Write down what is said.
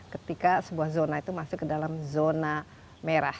ketika sebuah zona itu masuk ke dalam zona merah